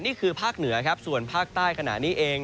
นี่คือภาคเหนือครับส่วนภาคใต้ขณะนี้เอง